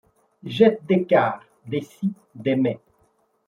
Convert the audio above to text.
Jettent des car, des si, des mais